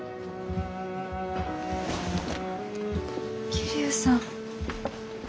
桐生さん。